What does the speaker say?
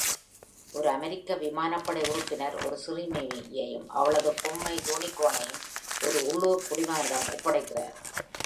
ஒரு அமெரிக்க விமானப்படை உறுப்பினர், ஒரு சிறுமியையும் அவளது பொம்மை யூனிகார்னையும், ஒரு உள்ளூர் குடிமகனிடம் ஒப்படைக்கிறார்